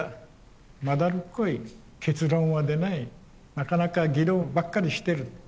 なかなか議論ばっかりしてる。